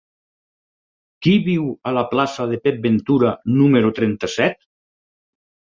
Qui viu a la plaça de Pep Ventura número trenta-set?